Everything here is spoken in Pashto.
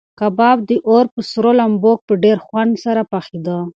کباب د اور په سرو لمبو کې په ډېر خوند سره پخېده.